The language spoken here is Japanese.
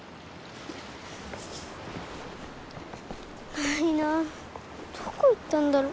ないなあどこいったんだろう。